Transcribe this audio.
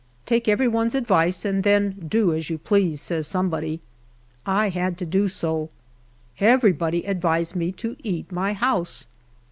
" Take every one's advice, and then do as you please," says somebody. I had to do so. Everybody advised me to eat my house.